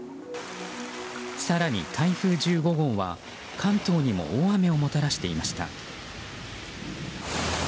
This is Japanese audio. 更に台風１５号は、関東にも大雨をもたらしていました。